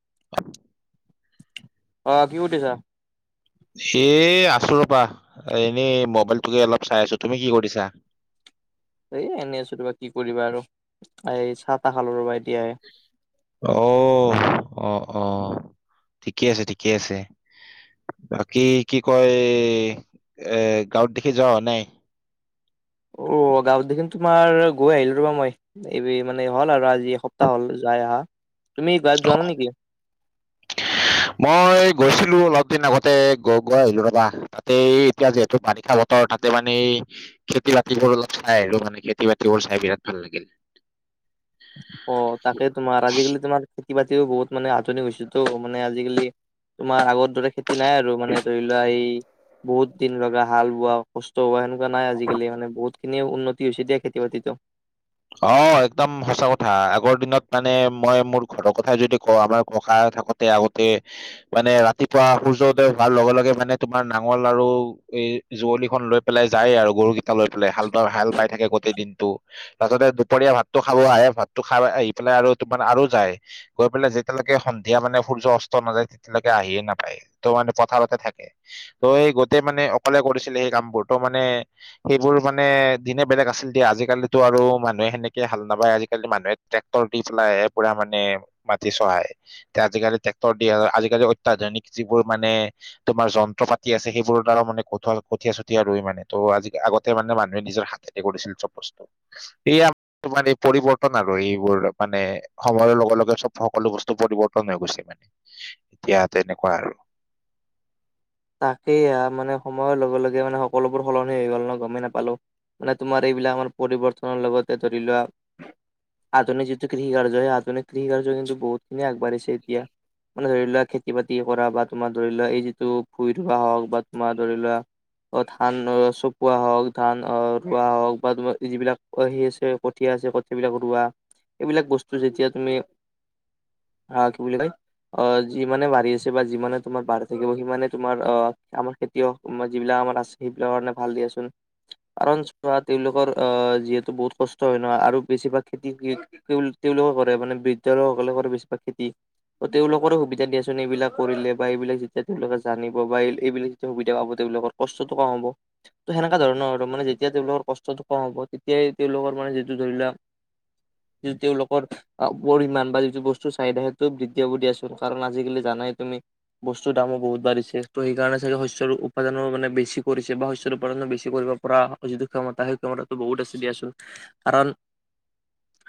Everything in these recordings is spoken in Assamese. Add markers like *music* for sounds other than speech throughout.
*inaudible* অ', কি কৰিছা? এ আছো ৰ'বা, এনেই মোবাইলটোকে অলপ চাই আছো। তুমি কি কৰিছা? এই এনেই আছো ৰ'বা, কি কৰিবা আৰু এই চাহ তাহ খাল ৰ'বা এতিয়াহে। অ', অ', অ', ঠিকেই আছে ঠিকে আছে। বাকী কি কয় এ গাঁৱত দেগি যোৱা হোৱা নাই? অ', গাঁৱত দেখি তোমাৰ গৈ আহিলো ৰ'বা মই, এই মানে হ'ল আৰু আজি এসপ্তাহ হ'ল যাই আহা। তুমি গাৱত যোৱা নাই নেকি? মই গৈছিলো অলপ দিন আগতে গ গৈ আহিলো ৰ'বা, তাতে এতিয়া যিহেতু বাৰিষা অলপ ত তাতে মানে এই খেতি বাতিবোৰ অলপ চাই আহিলোঁ মানে খেতি বাতিবোৰ চাই বিৰাট ভাল লাগিল। অ', তাতে তোমাৰ আজিকালি তোমাৰ - খেতি বাতিও বহুত মানে আধুনিক হৈছে তো মানে আজিকালি তোমাৰ আগত - দৰে খেতি নাই আৰু মানে ধৰি লোৱা সেই - বহুত দিন লগা হাল বোৱা কষ্ট হোৱা সেনেকুৱা নাই আজিকালি মানে বহুত খিনিয়ে উন্নতি হৈছে দিয়া খেতি বাতিতো। অ', একদম সঁচা কথা আগৰ দিনত মানে মই মোৰ ঘৰৰ কথাই যদি কও আমাৰ ককা থাকো - তে আগতে - মানে ৰাতিপুৱা সূৰ্য উদয় হোৱাৰ লগে লগে মানে তোমাৰ নাঙল আৰু এই - যুঁৱলিখন লৈ পেলাই যায় আৰু গৰুকেইটা লৈ পেলাই হাল বাই হাল বাই থাকে গোটেই দিনটো - পাছতে দুপৰীয়া ভাতটো খাব আহে ভাতটো খাই আহি পেলাই আৰু তোমাৰ আৰু যায় - গৈ পেলাই যেতিয়ালৈকে সন্ধিয়া মানে সূৰ্য্য অস্ত নাযায় তেতিয়ালেকে আহিয়ে নাপায়। ত' মানে পথাৰতে থাকে ত' এই গোটেই মানে অকলে কৰিছিলে সেই কামবোৰ ত' মানে - সেইবোৰ মানে দিনে বেলেগ আছিল দিয়া আজিকালি - তো আৰু মানুহে সেনেকে হাল নাবাই, আজিকালি তো মানুহে ট্ৰেক্টৰ দি পেলাইহে পুৰা মানে - মাটি চহাই, এতিয়া আজিকালি ট্ৰেক্টৰ দিয়ে আজিকালি অত্যাধুনিক যিবোৰ মানে - তোমাৰ যন্ত্ৰ পাতি আছে সেইবোৰৰ দ্বাৰা মানে পথাৰত কঠোৱা কঠীয়া চঠীয়া ৰুই মানে ত' আজি আগতে মানে মানুহে নিজৰ হাতে - সেইবোৰ দিছিল চব বস্তু, এইয়াৰ তোমাৰ এই পৰিৱৰ্তন আৰু এইবোৰ মানে - সময়ৰ লগে লগে চব সকলো বস্তু পৰিবৰ্তন হৈ গৈছে মানে এতিয়া তেনেকুৱা আৰু - তাকেই এইয়া মানে সময়ৰ লগে লগে মানে সকলোবোৰ সলনি হৈ গ'ল ন' গমেই নেপালো। মানে তোমাৰ এইবিলাক পৰিৱৰ্তনৰ লগতে ধৰি লোৱা আধুনিক যিটো কৃষি কাৰ্য হয়, সেই আধুনিক কৃষি কাৰ্য কিন্তু বহুতখিনি আগবঢ়িছে এতিয়া - মানে ধৰি লোৱা খেতি বাতি কৰা বা তোমাৰ ধৰি লোৱা এই যিটো ভুই ৰোৱা হওক বা তোমাৰ ধৰি লোৱা - ধান চপোৱা হওক ধান ৰোৱা হওক বা তোমাৰ যিবিলাক - আহি আছে কঠীয়া আছে কঠিয়া বিলাক ৰুৱা এইবিলাক বস্তু যেতিয়া তুমি - হা কি বুলি কয় অ, 'যিমানে বাঢ়ি আছে বা যিমানে তোমাৰ বাঢ়ি থাকিব সিমানে - তোমাৰ অ, 'আমাৰ খেতিয়ক যিবিলাক আমাৰ আছে সেইবিলাকৰ কাৰণে ভাল দিয়াচোন। কাৰণ চোৱা তেওঁলোকৰ আহ যিহেতু বহুত কষ্ট হয় ন। আৰু বেছিভাগ খেতিৰ - তেওঁলোকেই কৰে। মানে বৃদ্ধ লোকসকলে কৰে বেছিভাগ খেতি। অ, 'তেওঁলোকৰো সুবিধা দিয়াচোন এইবিলাক কৰিলে বা এইবিলাক যেতিয়া তেওঁলোকে - জানিব বা এইবিলাক যে সুবিধা পাব তেওঁলোকৰ কষ্টটো কম হ'ব। টো সেনেকা ধৰণৰ আৰু মানে যেতিয়া তেওঁলোকৰ কষ্টটো কম হ'ব তেতিয়াই তেওঁলোকৰ মানে যিটো ধৰিলোৱা - *unintelligible* তেওঁলোকৰ পৰিমাণ বা যিটো বস্তু চাহিদা সেইটো বৃদ্ধি পাব দিয়াচোন কাৰণ আজিকালি জানাই তুমি - বস্তুৰ দামো বহুত বাঢ়িছে - চেকটো'সেইকাৰণে চাগে শস্যৰ উপাদনো মানে বেছি কৰিছে বা শস্যৰ উপাদনো বেছি কৰিব পৰা - অ, 'যিটো ক্ষমতা সেইটো ক্ষমতাটো বহুত আছে দিয়াচোন কাৰণ -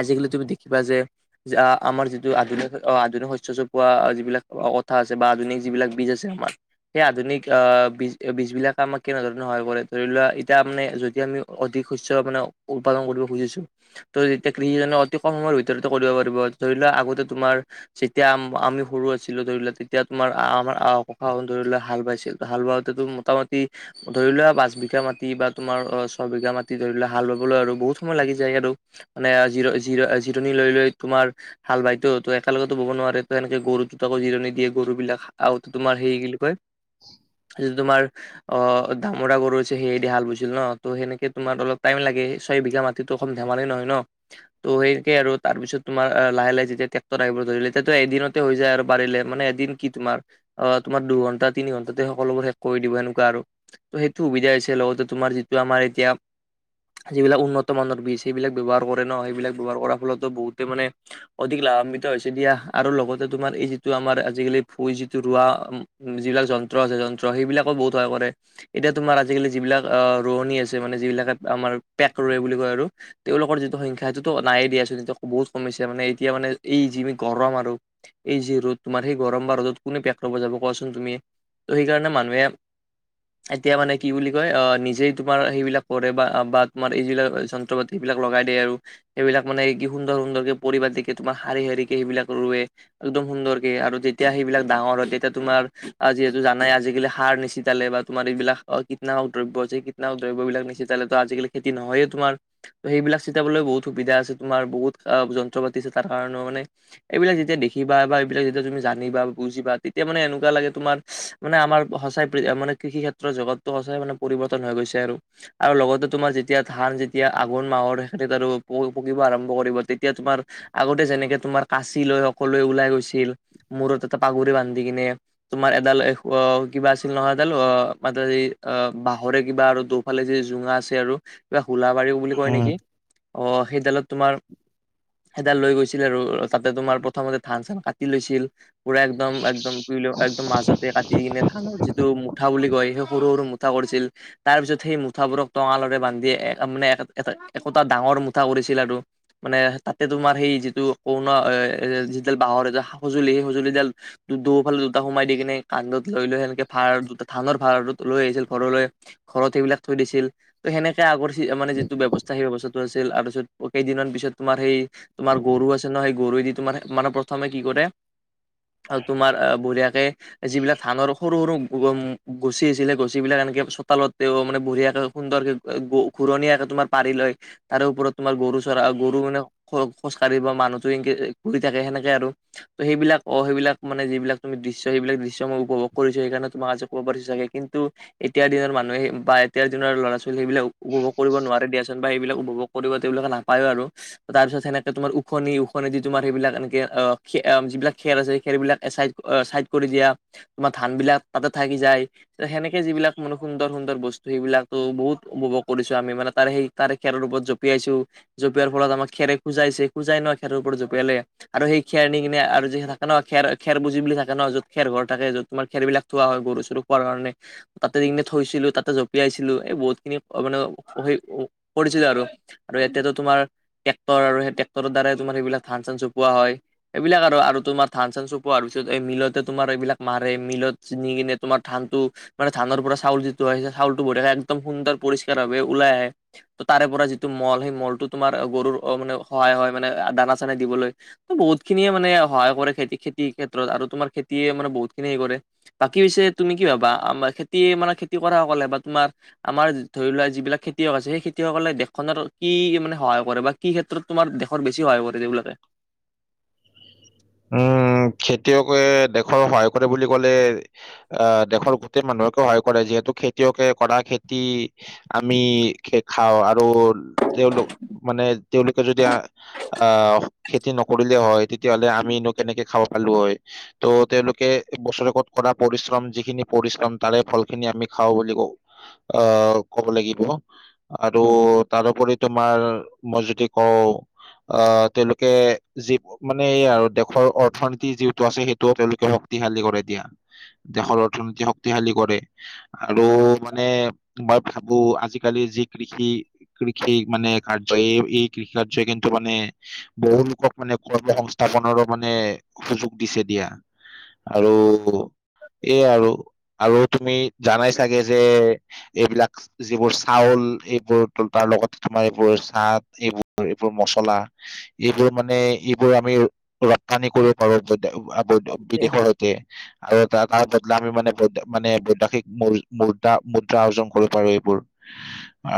আজিকালি তুমি দেখিবা যে - যে আমাৰ যিটো আধুনিক আধুনিক শস্য চপোৱা যিবিলাক কথা আছে বা আধুনিক যিবিলাক বীজ আছে আমাৰ - সেই আধুনিক আহ, বীজ বীজ বিলাক আমাক কেনেধৰণে সহায় কৰে ধৰি লোৱা এতিয়া মানে যদি আমি - অধিক শস্য মানে উৎপাদন কৰিব খুজিছো - তো এতিয়া কৃষিজনে অতি কম সময়ৰ ভিতৰতে কৰিব পাৰিব ধৰি লোৱা আগতে তোমাৰ - যেতিয়া আম আমি সৰু আছিলো ধৰি লোৱা তেতিয়া তোমাৰ আ, ' আমাৰ আ - শাওনত ধৰি লোৱা হাল বাইছিলো হাল বাাওঁতেতো মোটামুটি - ধৰি লোৱা পাঁচ বিঘা মাটি বা তোমাৰ ছয় বিঘা মাটি ধৰি লোৱা হাল বাবলৈ আৰু বহুত সময় লাগি যায় আৰু - মানে জিৰ জিৰ জিৰণি লৈ লৈ তোমাৰ - হাল বায়তো একেলগেতো বব নোৱাৰি ত এনেকে গৰু দুতাকৈ জিৰণি দিয়ে গৰু বিলাক আও হেৰি কি বুলি কয় যিটো তোমাৰ অ, দামোৰা গৰু হৈছে সেয়েদি হাল বাইছীল ন ত সেনেকে তোমাৰ অলপ টাইম লাগে ছয় বিঘা মাটি মাতি টো হুন ধেমালি নহয় ন' ত' সেই একে আৰু তাৰপিছত তোমাৰ লাহে লাহে যেতিয়া ট্ৰেক্টৰ আহিব ধৰিলে তেতিয়াটো এদিনতে হৈ যায় আৰু পাৰিলে মানে এদিন কি তোমাৰ অ তোমাৰ দুঘন্টা তিনি ঘন্টাতে সকলোবোৰ শেষ কৰি দিব এনেকোৱা আৰু সেইটো সুবিধা হৈছে লগতে তোমাৰ যিটো আমাৰ এতিয়া যিবিলাক উন্নত মানৰ বীজ সেইবিলাক ব্যৱহাৰ কৰে ন' সেইবিলাক ব্যৱহাৰ কৰাৰ ফলতো বহুতে মানে অধিক লাভান্বিত হৈছে দিয়া আৰু লগতে তোমাৰ এই যিটো আমাৰ আজিকালি ভুঁই যিটো ৰোৱা যিবিলাক যন্ত্ৰ আছে যন্ত্ৰ সেইবিলাকো বহুত সহায় কৰে। এতিয়া তোমাৰ আজিকালি যিবিলাক আহ, ৰোৱনী আছে মানে যিবিলাকে আমাৰ পেক ৰোৱে বুলি কয় আৰু তেওঁলোকৰ যিটো সংখ্যা যিটো নায়েই দিয়াচোন এতিয়া বহুত কমিছে মানে এতিয়া মানে এই যিমি গৰম আৰু এই যি ৰ'দ তোমাৰ সেই গৰম বা ৰ'দত কোনে পেক লবজাব কোৱাচোন তুমি, ত সেইকাৰণে মানুহে এতিয়া মানে কি বুলি কয় অ নিজেই তোমাৰ সেইবিলাক কৰে বা বা তোমাৰ এইবিলাক তত এইবিলাক লগাই দিয়ে আৰু সেইবিলাক মানে কি সুন্দৰ সুন্দৰকে পৰিপাতিকে তোমাৰ শাৰী শাৰী সেবিলাক ৰুৱে। একদম সুন্দৰকে আৰু যেতিয়া সেইবিলাক ডাঙৰ হয় তেতিয়া তোমাৰ যিহেতু জানাই আজিকালি সাৰ নিচিটালে বা তোমাৰ এইবিলাক অ কীটনা উদ্ৰব্য যে কীটনা দব্যবিলাক নিচিতালে আজিকালি খেতি নহয় তোমাৰ। ত সেইবিলাক চিতাবলৈ বহুত সুবিধা আছে তোমাৰ বহুত যন্ত্ৰ পাতি আছে তাৰ কাৰণেও মানে এইবিলাক যেতিয়া দেখিবা বা এইবিলাক যেতিয়া তুমি জানিবা বুজিবা তেতিয়া মানে এনেকুৱা লাগে তোমাৰ মানে আমাৰ সঁচাই মানে কৃষি ক্ষেত্ৰৰ জগত সচাই মানে পৰিৱৰ্তন হৈ গৈছে আৰু আৰু লগতে তোমাৰ যেতিয়া ধান যেতিয়া আঘোণ মাহৰ সেইখিনিত আৰু পকিব আৰম্ভ কৰিব তে এতিয়া তোমাৰ আগতে যেনেকে তোমাৰ কাঁচি লৈ অকলে ওলাই গৈছিল মূৰত পাগুৰি বান্ধি কিনে তোমাৰ এডাল এখোৱ কিবা আছিল নহয় এডাল অ *unintelligible* বাঁহৰে কিবা আৰু দু ফালে যে জোঙা আছে আৰু কিবা হোলাবাৰো বুলি কয় উম। নেকি, অ, 'সেইডালত তোমাৰ সেইডাল লৈ গৈছিলে আৰু তাতে তোমাৰ প্ৰথমতে ধান চান কাটি লৈছিল। পুৰা একদম একদম কি বুলি কৈ মাজতে কাটি দি কিনে থানৰ যিটো মুঠা বুলি কয় সেই সৰু সৰু মুঠা কৰিছিল। তাৰ পিছত সেই মুঠাবোৰক টঙালকে বান্ধি এক মানে একোটা ডাঙৰ মুঠা কৰিছিল আৰু মানে তাতে তোমাৰ সেই যিটো কোণ যিডাল বাঁহৰ সঁজুলি সেই সঁজুলি *unintelligible* দুফালে দুটা সোমাই দি কিনে কান্ধত লৈ লৈ সেনেকে ভাৰ দুটা ধানৰ ভাৰ লৈ আহিছিল ঘৰলৈ ঘৰত সেইবিলাক থৈ দিছিল ত সেনেকে আগৰ মানে যিটো ব্যবস্থা সেই ব্যবস্থা ত আছিল তাৰ পিছত *unintelligible* পিছত তোমাৰ সেই তোমাৰ গৰু আছে ন সেই গৰুে দি তোমাৰ মানে প্ৰথমে কি কৰে তোমাৰ বঢ়িয়াকে যিবিলাক ধানৰ সৰু সৰু গুছি আছিলে সেই গুছি বিলাক এনেকে চোতালত মানে বঢ়িয়াকে সুন্দৰকে ঘুৰণীয়াকে তোমাৰ পাৰি লয় তাৰে ওপৰত তোমাৰ গৰু চৰা গৰু মানে খো খোজ কঢ়িব মানুহতো এনকে ঘূৰি থাকে সেনেকে আৰু ত সেইবিলাক অ সেইবিলাক মানে যিবিলাক দৃশ্যই সেইবিলাক দৃশ্যই উপভোগ কৰিছো সেইকাৰণে তোমাক আজি কব পাৰিছোঁ চাগে কিন্তু এতিয়াৰ দিনৰ মানুহে বা এতিয় দিনৰ ল'ৰা ছোৱালী সেইবিলাক উপভোগ কৰিব নোৱাৰে দিয়াচোন বা সেইবিলাক উপভোগ কৰিব তেঁওলোকে নাপাই আৰু। তাৰপিছত সেনেকে তোমাৰ উখি উখি য তোমাৰ সেইবিলাক এনেকে অ যিবিলাক খেৰ আছে খেৰবিলাক এচাইড চাইড কৰি দিয়া তোমাৰ ধান বিলাক তাতে থাকি যায়। সেনেকে যিবিলাক মানে সুন্দৰ সুন্দৰ বস্তু সেইবিলাক তো বহুত উপভোগ কৰিছোঁ আমি মানে তাৰ সেই তাৰে খেৰ ওপৰত জঁপিয়াইছো। জপিয়াৰ ফলত আমাৰ খেৰে খোজাইছে খোজাই ন খেৰ ওপৰত জঁপিয়ালে আৰু সেই খেৰ নি কিনে আৰু যিহেতু থে ন খেৰ খেৰ বুজ বুলি থাকে ন যত খেৰ থাকে য'ত তোমাৰ খেৰবিলাক থোৱা হয় গৰু খোৱা কাৰণে তাতে দি কিনে থৈছিলো তাতে জঁপিয়াইছিলো এই বহুত খিনি মানে সেই কৰিছিলো আৰু আৰু ইয়াতো তোমাৰ ট্ৰেক্টৰ আৰু সেই ট্ৰেক্টৰ দ্বাৰাই তোমাৰ সেইবিলাক ধান চান চপোৱা হয়। এইবিলাক আৰু তোমাৰ ধান চান চপোৱাৰ পিছত এই মিলতে তোমাৰ এইবিলাক মাৰে মিলত চিনি কিনে তোমাৰ ধানটো। মানে ধানৰ পৰা চাউল যিটো হয় চাউলটো ভৰি একদম সুন্দৰ পৰিষ্কাৰ ভাৱে ওলাই আহে। ত তাৰে পৰা যিটো মল সেই মলটো তোমাৰ গৰুৰ মানে সহায় হয় মানে দানা চানা দিবলৈ। বহুত খিনিয়ে মানে সহায় কৰে খেতি খেতিৰ ক্ষেত্ৰত আৰু তোমাৰ খেতিয়ে মানে বহুত খিনিয় হে কৰে। বাকী হৈছে তুমি কি ভাবা আমাৰ খেতি মানে খেতি কৰা সকলে বা তোমাৰ। আমাৰ ধৰি লোৱা যিবিলাক খেতিয়ক আছে সেই খেতিয়সকলে দেশখনত কি মানে সহায় কৰে বা? কি ক্ষেত্ৰত তোমাৰ দেশৰ‌ বেছি সহায় কৰে সেই বিলাকে? উম খেতিয়কে দেশৰ সহায় কৰে বুলি ক'লে? আহ দেশৰ গোটেই মানুহকেও সহায় কৰে যিহেতু খেতিয়কে কৰা খেতি। আমি খেত খাওঁ আৰু তেওঁলোক মানে তেওঁলোকে যদি আহ খেতি নকৰিলে হয় তেতিয়াহলে। আমিনো কেনেকে খাব পালো হয়? ত' তেওঁলোকে বছৰেকত কৰা পৰিশ্ৰম যিখিনি পৰিশ্ৰম তাৰে ফল খিনি আমি খাওঁ বুলি কওঁ। অ ক'ব লাগিব। আৰু তাৰোপৰি তোমাৰ মই যদি কওঁ। অ তেওঁলোকে যি মানে এই আৰু দেশৰ অৰ্থনীতি যিটো আছে সেইটোও তেওঁলোকে শক্তিশালী কৰি এতিয়া। দেশৰ অৰ্থনীতি শক্তিশালী কৰে। আৰু মানে মই ভাবো আজিকালি যি কৃষি। কৃষি মানে কাৰ্য এই এই কৃষি কাৰ্যই কিন্তু মানে বহু লোকক মানে কৰ্ম সংস্থাপনৰ মানে সুযোগ দিছে দিয়া আৰু এই আৰু- আৰু তুমি জানাই চাগে যে এইবিলাক যিবোৰ চাউল এইবোৰ তাৰ লগত তোমাৰ এইবোৰ চাত এইবোৰ এইবোৰ মচলা। এইবোৰ মানে এইবোৰ আমি ৰপ্তানি কৰিব পাৰো বিদেশত। তে আৰু ত তাৰ বদল আমি মানে মানে বৈদেশিক মুদ্ৰা মুদ্ৰা অৰ্জন কৰিব পাৰো এইবোৰ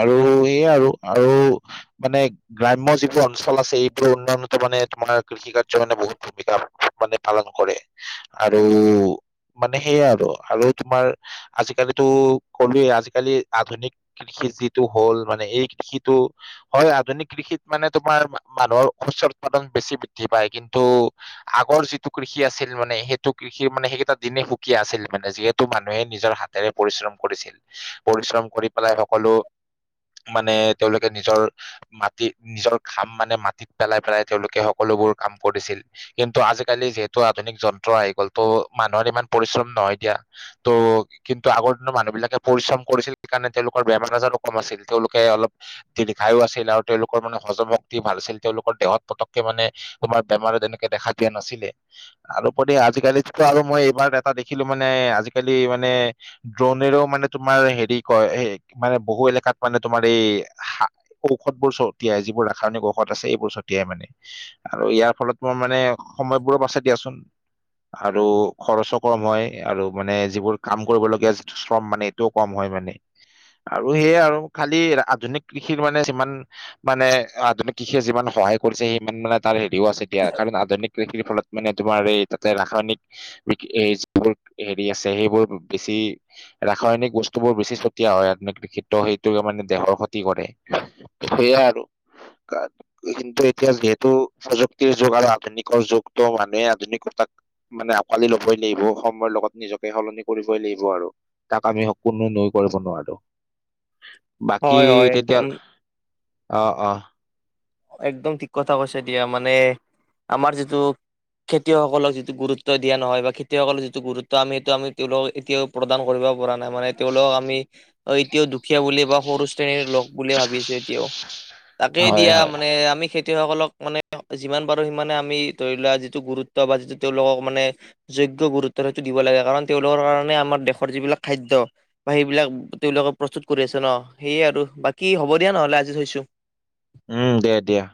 আৰু এই আৰু আৰু মানে গ্ৰাম্য যিবোৰ অঞ্চল আছে এইবোৰ উন্নয়নতো মানে তোমাৰ কৃষি কাৰ্য। মানে বহুত ভূমিকা মানে পালন কৰে আৰু মানে সেয়াই আৰু আৰু তোমাৰ আজিকালিতো কলোৱেই আজিকালি আধুনিক কৃষি যিটো হ'ল মানে এই কৃষিটো। হয় আধুনিক কৃষিত মানে তোমাৰ মানুহৰ শস্যৰ উৎপাদন বেছি বৃদ্ধি পায় কিন্তু আগৰ যিটো কৃষি আছিল মানে সেইটো কৃষি সেই মানে সেইকেইটা দিনে সুকীয়া আছিল মানে যিহেতু মানুহে নিজৰ হাতেৰে পৰিশ্ৰম কৰিছিল। পৰিশ্ৰম কৰি পেলাই সকলো মানে তেওঁলোকে নিজৰ মাটিত নিজৰ খাম মানে মাটিত পেলাই পেলাই তেওঁলোকে সকলোবোৰ কাম কৰিছিল। কিন্তু আজিকালি যিহেতু আধুনিক যন্ত্ৰ আহি গ'ল তো মানুহৰ ইমান পৰিশ্ৰম নহয় দিয়া। ত কিন্তু আগৰ দিনৰ মানুহ বিলাকে পৰিশ্ৰম কৰিছিল সেইকাৰণে তেওঁলোকৰ বেমাৰ আজাৰো কম আছিল। তেওঁলোকে অলপ দি খাইো আছিল আৰু তেওঁলোকৰ মানে হজমক দি ভাল আছিল। তেওঁলোকৰ দেহত পতককে মানে তোমাৰ বেমাৰত তেনেকে দেখা দিয়া নাছিলে। তাৰোপৰি আজিকালিতো আৰু মই এইবাৰ এটা দেখিলো মানে আজিকালি মানে ড্ৰোনেও মানে তোমাৰ হেৰি কয় মানে বহু এলেকাত মানে তোমাৰ এই ঔষধ, বোৰ ছটিয়াই যিবোৰ ৰাসায়নিক ঔষধ আছে এইবোৰ ছটিয়াই মানে। আৰু ইয়াৰ ফলত মোৰ মানে সময়বোৰো বাছে দিয়াচোন। আৰু খৰচো কম হয়। আৰু মানে যিবোৰ কাম কৰিবলগীয়া যি শ্ৰম মানে কম হয় মানে আৰু সেয়ে আৰু খালি আধুনিক কৃষিৰ মানে যিমান। মানে আধুনিক কৃষিয়ে যিমান সহায় কৰিছে সিমান মানে তাৰ হেৰিও আছে। এতিয়া কাৰণ আধুনিক কৃষিৰ, ফলত মানে তোমাৰ এই তাতে ৰাসায়নিক যিবোৰ হেৰি আছে সেইবোৰ বেছি। ৰাসায়নিক বস্তু বোৰ বেছি ছটিয়া হয় বিশেক্ত সেইটোৱে মানে দেহৰ ক্ষতি কৰে। সেইয়য়া আৰু কিন্তু এতিয়া যিহেতু- প্ৰযুক্তিৰ যুগ আৰু আধুনিকৰ যুগতো মানুহে আধুনিকতাক। মানে আঁকোৱালি ল'বই লাগিব সময়ৰ লগত নিজকে সলনি কৰিবই লাগিব। আৰু তাক আমি স কোনো নই কৰিব নোৱাৰো বাকী হয় হয় তেতিয়া। একদম অ অ একদম ঠিক কথা কৈছে দিয়া মানে। আমাৰ যিটো খেতিয়সকলক যিটো গুৰুত্ব দিয়া নহয় বা খেতিয়সকলৰ যিটো গুৰুত্ব আমি সেইটো আমি তেওঁলোক এতিয়াও প্ৰদান কৰিব পৰা নাই মানে। তেওঁলোকক আমি এতিয়াও দুখীয়া বুলি বা সৰু শ্ৰেণীৰ লোক বুলিয়ে ভাবিছো এতিয়াও। তাকেই হয় দিয়া হয়। মানে আমি খেতিয়কসকলক মানে যিমান পাৰো সিমানে আমি ধৰি লোৱা যিটো গুৰুত্ব বা যিটো তেওঁলোকক মানে। যোগ্য গুৰুত্ব হয়তটো দিব লাগে কাৰণ তেওঁলোকৰ কাৰণে আমাৰ দেশৰ যিবিলাক খাদ্য। বা সেইবিলাক তেওঁলোকে প্ৰস্তুত কৰি আছে ন সেয়ে আৰু বাকী হ'ব দিয়া নহলে আজি থৈছো। উম দে দিয়া।